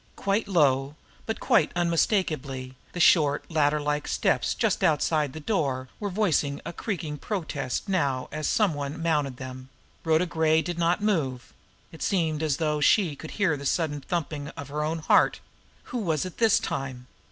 Quite low, but quite unmistakably, the short, ladder like steps just outside the door were voicing a creaky protest now as some one mounted them. Rhoda Gray did not move. It seemed as though she could hear the sudden thumping of her own heart. Who was it this time?